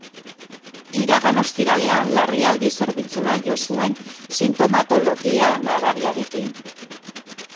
Iragan ostiralean larrialdi zerbitzura jo zuen sintomatologia nabariarekin.